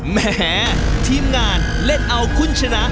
แหมทีมงานเล่นเอาคุณชนะ